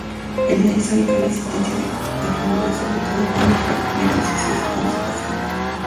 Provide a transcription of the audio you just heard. Es habitual la existencia de deformidad, sobre todo cuando los fragmentos óseos están desplazados.